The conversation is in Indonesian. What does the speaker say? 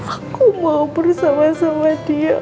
aku mau bersama sama dia